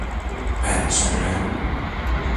Ben söylerim.